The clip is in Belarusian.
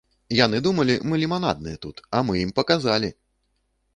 Яны думалі, мы ліманадныя тут, а мы ім паказалі!